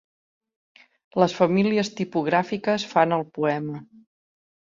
Les famílies tipogràfiques fan el poema.